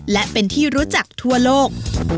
และเป็นที่รู้จักทั่วโลก